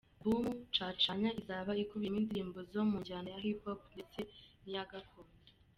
Album ‘Cacanya’ izaba ikubiyeho indirimbo zo mu njyana ya Hip Hop ndetse niya gakondo.